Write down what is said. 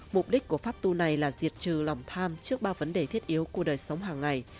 mục đích của pháp tu này là diệt trừ lòng tham trước ba vấn đề thiết yếu của đời sống hàng ngày